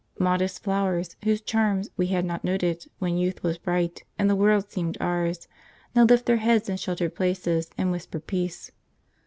Modest flowers, whose charms we had not noted when youth was bright and the world seemed ours, now lift their heads in sheltered places and whisper peace.